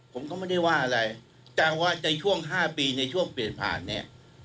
ผมก็ไม่ได้ว่าอะไรแต่ว่าในช่วง๕ปีในช่วงเปลี่ยนผ่านเนี่ย